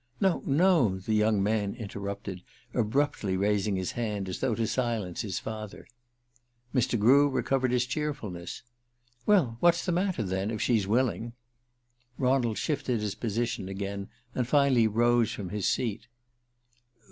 "No, no," the young man interrupted, abruptly raising his hand as though to silence his father. Mr. Grew recovered his cheerfulness. "Well, what's the matter than, if she's willing?" Ronald shifted his position again, and finally rose from his seat.